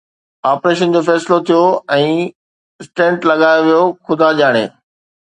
operation جو فيصلو ٿيو ۽ اسٽينٽ لڳايو ويو، خدا ڄاڻي